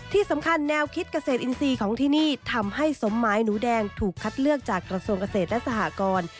แนวคิดเกษตรอินทรีย์ของที่นี่ทำให้สมหมายหนูแดงถูกคัดเลือกจากกระทรวงเกษตรและสหกร